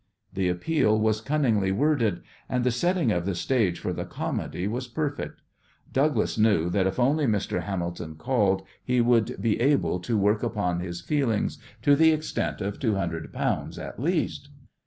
The appeal was cunningly worded, and the setting of the stage for the comedy was perfect. Douglas knew that if only Mr. Hamilton called he would be able to work upon his feelings to the extent of two hundred pounds at least.